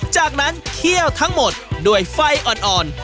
จากนั้นเคี่ยวทั้งหมดด้วยไฟอ่อน